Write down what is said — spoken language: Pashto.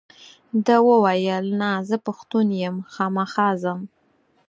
ده وویل نه زه پښتون یم خامخا ځم.